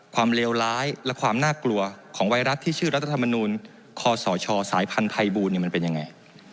เลวร้ายและความน่ากลัวของไวรัสที่ชื่อรัฐธรรมนูลคอสชสายพันธุ์ภัยบูลมันเป็นยังไง